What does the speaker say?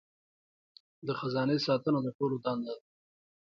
د خزانې ساتنه د ټولو دنده ده.